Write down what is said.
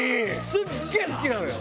すげえ好きなのよ！